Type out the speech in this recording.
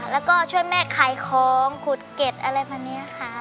แล้วก็ช่วยแม่ขายของขุดเก็ดอะไรแบบนี้ค่ะ